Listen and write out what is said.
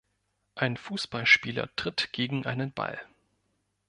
Ein Fußballspieler tritt gegen einen Ball.